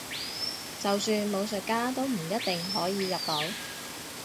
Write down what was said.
就算武術家都唔一定可以入到